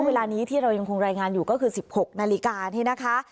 เวลานี้ที่เรายังคงรายงานอยู่ก็คือ๑๖นาฬิกานี่นะคะ